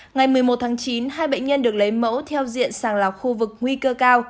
ngày một mươi một tháng chín hai bệnh nhân được lấy mẫu theo diện sàng lọc khu vực nguy cơ cao